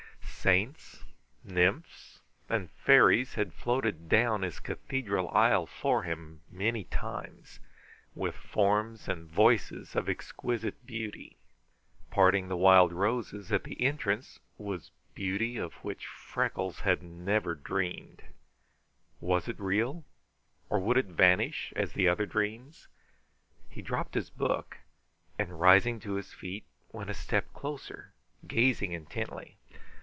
Saints, nymphs, and fairies had floated down his cathedral aisle for him many times, with forms and voices of exquisite beauty. Parting the wild roses at the entrance was beauty of which Freckles never had dreamed. Was it real or would it vanish as the other dreams? He dropped his book, and rising to his feet, went a step closer, gazing intently.